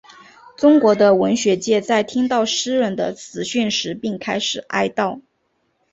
中国的文学界在听到诗人的死讯时便开始哀悼。